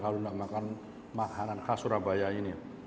anda mau makan makanan khas surabaya ini